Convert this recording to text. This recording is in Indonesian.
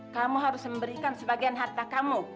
kamu harus memberikan sebagian harta kamu